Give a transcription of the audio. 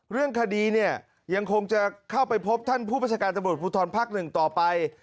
เรื่องคดียังคงจะเข้าไปพบท่านผู้พัศกาลตะบุรุภูทรภักดิ์หนึ่งต่อไป